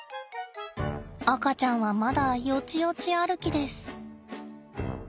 赤ちゃんはまだよちよち歩きです。